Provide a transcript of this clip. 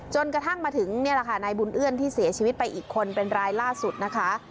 จนกระทั่งมาถึงนี่แหละค่ะนายบุญเอื้อนที่เสียชีวิตไปอีกคนเป็นรายล่าสุดนะคะ